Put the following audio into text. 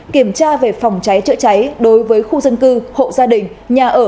kiểm tra về phòng cháy trợ cháy đối với khu dân cư hộ gia đình nhà ở